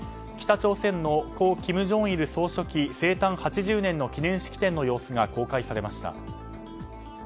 北朝鮮の故・金正日総書記生誕８０年の記念式典の様子が公開されました。